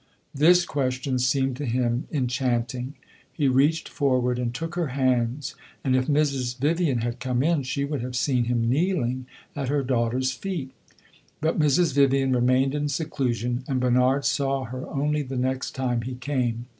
This question seemed to him enchanting. He reached forward and took her hands, and if Mrs. Vivian had come in she would have seen him kneeling at her daughter's feet. But Mrs. Vivian remained in seclusion, and Bernard saw her only the next time he came.